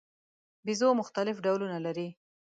بیزو مختلف ډولونه لري.